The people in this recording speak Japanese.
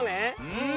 うん。